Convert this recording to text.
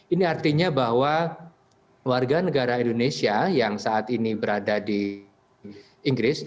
ini artinya bahwa warga negara indonesia yang saat ini berada di inggris